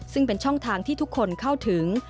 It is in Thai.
ซึ่งเป็นช่องทางที่ทุกคนเข้าถึง